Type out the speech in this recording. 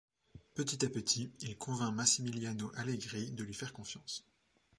Petit à petit, il convainc Massimiliano Allegri de lui faire confiance.